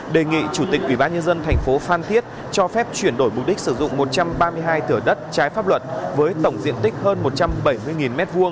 đề nghị chủ tịch ubnd tp phan thiết cho phép chuyển đổi mục đích sử dụng một trăm ba mươi hai thửa đất trái pháp luật với tổng diện tích hơn một trăm bảy mươi m hai